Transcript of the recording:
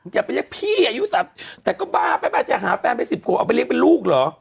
อย่าไปเรียกพี่อายุ๓๐แต่ก็บ้าไปบ้าจะหาแฟนไป๑๐ขวบเอาไปเลี้ยเป็นลูกเหรอ